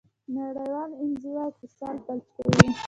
نړیوال انزوا اقتصاد فلج کوي.